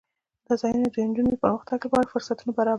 دا ځایونه د نجونو د پرمختګ لپاره فرصتونه برابروي.